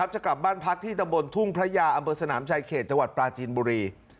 จะกลับบ้านพักที่ตำบลทุ่งพระยาอำเภอสนามชายเขตจังหวัดปลาจีนบุรี